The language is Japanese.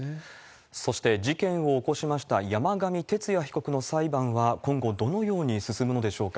そして、事件を起こしました山上徹也被告の裁判は、今後どのように進むのでしょうか。